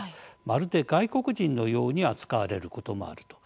まるで外国人のように扱われることもあると。